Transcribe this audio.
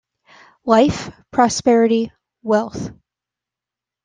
Life, Prosperity, Wealth.